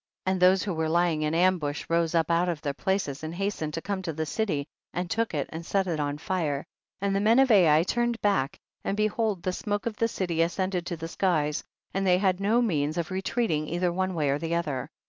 44. And those who were lyi'ig in ambush rose up out of their places, and hastened to come to the city and took it and set it on fire, and the men of Ai turned back, and behold the smoke of the city ascended to the skies, and they had no means of re treating either one way or the other.